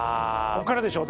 ここからでしょ？